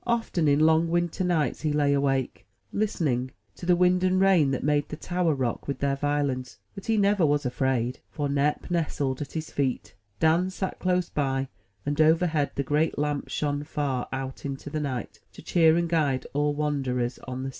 Often in long winter nights he lay awake, Ustening to the wind and rain, that made the tower rock with their violence; but he never was afraid, for Nep nestled at his feet, Dan sat close by, and overhead the great lamp shone far out into the night, to cheer and guide all wanderers on the sea.